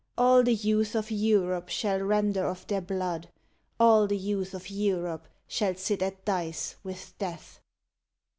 All the youth of Europe shall render of their blood. All the youth of Europe shall sit at dice with Death.